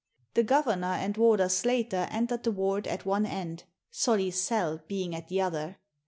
The governor and Warder Slater entered the ward at one end, Solly's cell being at the other.